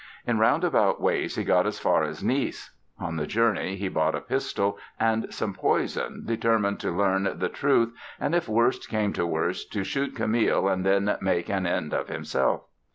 In roundabout ways he got as far as Nice. On the journey he bought a pistol and some poison determined to learn the truth and if worst came to worst to shoot Camille and then make an end of himself.